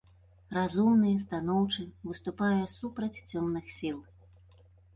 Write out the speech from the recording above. Разумны, станоўчы, выступае супраць цёмных сіл.